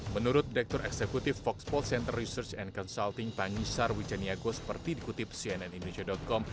menurut direktur eksekutif voxpol center research and consulting pangisar wijaniago seperti dikutip cnnindustria com